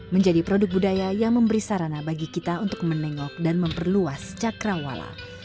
menjadi produk budaya yang memberi sarana bagi kita untuk menengok dan memperluas cakrawala